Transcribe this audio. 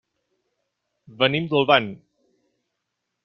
Venim d'Olvan.